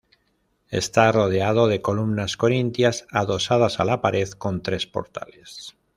Está rodeado de columnas corintias adosadas a la pared, con tres portales.